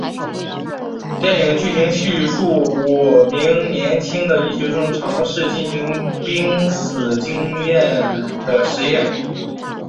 电影剧情叙述五名年轻的医学生尝试进行濒死经验的实验。